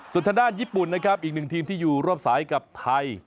ส่วนทางด้านญี่ปุ่นนะครับอีกหนึ่งทีมที่อยู่ร่วมสายกับไทย